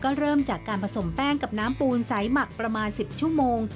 ก็เริ่มจากการผสมแป้งกับน้ำปูนใสหมักประมาณ๑๐ชั่วโมง